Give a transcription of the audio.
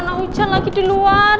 mas mana ujan lagi di luar